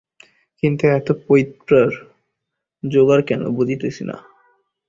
কিন্তু এত পৈতার যোগাড় কেন, বুঝিতেছি না।